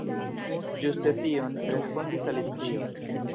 "Ĝuste tion," respondis Alicio.